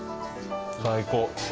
最高。